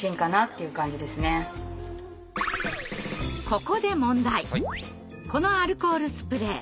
ここでこのアルコールスプレー